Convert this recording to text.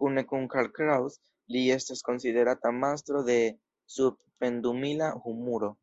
Kune kun Karl Kraus, li estas konsiderata mastro de "sub-pendumila humuro".